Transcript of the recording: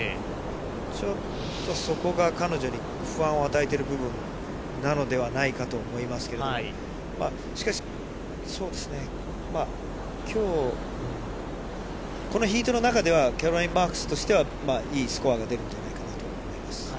ちょっとそこが彼女に不安を与えている部分なのではないかと思いますけど、しかし、きょう、このヒートの中では、キャロライン・マークスとしては、いいスコアが出るんじゃないかなと思います。